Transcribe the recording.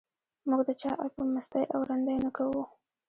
موږ د چا عیب په مستۍ او رندۍ نه کوو.